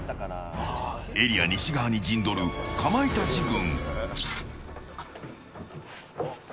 エリア西側に陣取るかまいたち軍。